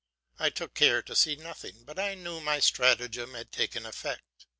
I took care to see nothing, but I knew my stratagem had taken effect.